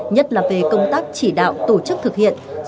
nhất là về công tác chỉ đạo tổ chức thực hiện